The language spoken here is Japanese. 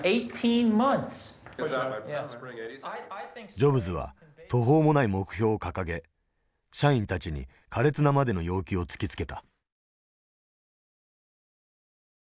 ジョブズは途方もない目標を掲げ社員たちに苛烈なまでの要求を突きつけた。